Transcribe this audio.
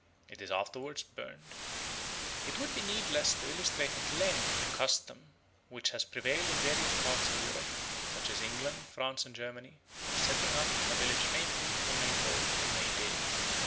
It is afterwards burned. It would be needless to illustrate at length the custom, which has prevailed in various parts of Europe, such as England, France, and Germany, of setting up a village May tree or May pole on May Day.